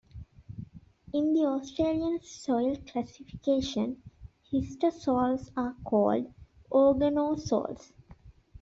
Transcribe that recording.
In the Australian Soil Classification, histosols are called Organosols.